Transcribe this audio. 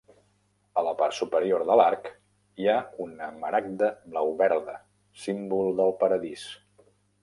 A la part superior de l'arc hi ha una maragda blau-verda, símbol del paradís.